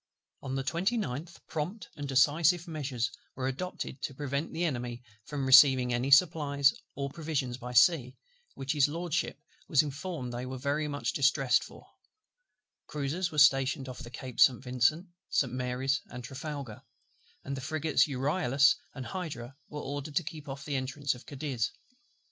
On the 29th, prompt and decisive measures were adopted to prevent the Enemy from receiving any supplies of provisions by sea, which His LORDSHIP was informed they were very much distressed for: cruizers were stationed off the Capes St. Vincent, St. Mary's, and Trafalgar; and the frigates Euryalus and Hydra were ordered to keep off the entrance of Cadiz.